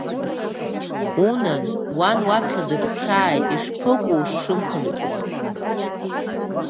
Унан, уан уаԥхьа дыԥсааит, ишԥыкәу ушымхынҳәуа!